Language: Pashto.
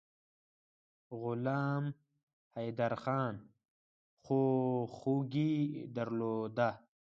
غلام حیدرخان خواخوږي درلوده.